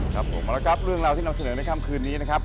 ครับผมมาแล้วครับเรื่องราวที่นำเสนอในค่ำคืนนี้นะครับ